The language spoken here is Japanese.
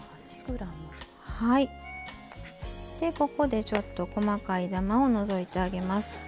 ここで、ちょっと細かいダマを除いてあげます。